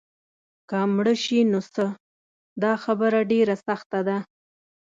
که مړه شي نو څه؟ دا خبره ډېره سخته ده.